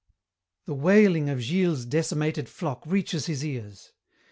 "The wailing of Gilles's decimated flock reaches his ears.